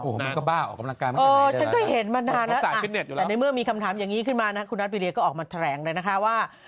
มันก็บ้าออกกำลังกายมากฉันก็เห็นมานานนะแต่ในเมื่อมีคำถามอย่างนี้ขึ้นมานะคุณนัทวิเดียก็ออกมาแถลงเลยนะคะว่า